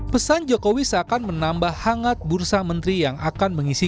pesan jokowi seakan menambah hangat bursa menteri yang akan mengisi